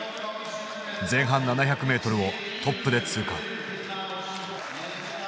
前半７００ｍをトップで通過。